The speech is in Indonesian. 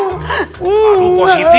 aduh pak siti